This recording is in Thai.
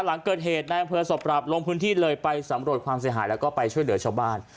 หลังเกิดเหตุในอำเภอศพปรับลงพื้นที่เลยไปสำรวจความเสียหายแล้วก็ไปช่วยเหลือชาวบ้าน